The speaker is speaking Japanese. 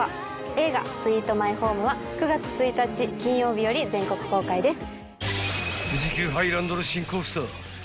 映画『スイート・マイホーム』は９月１日金曜日より全国公開です。